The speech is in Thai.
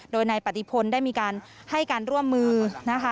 โดยนายปฏิพลได้มีการให้การร่วมมือนะคะ